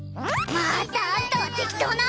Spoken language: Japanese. またあんたは適当な！